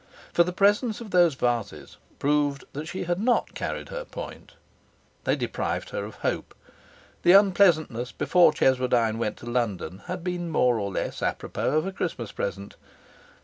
For the presence of those vases proved that she had not carried her point. They deprived her of hope. The unpleasantness before Cheswardine went to London had been more or less a propos of a Christmas present.